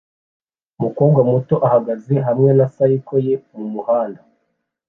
umukobwa muto uhagaze hamwe na cycle ye mumuhanda